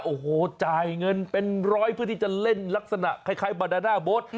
โอ้โหจ่ายเงินเป็นร้อยเพื่อที่จะเล่นลักษณะคล้ายบาดาด้าโบ๊ท